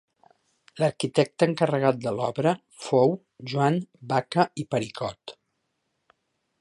L'arquitecte encarregat de l'obra fou Joan Baca i Pericot.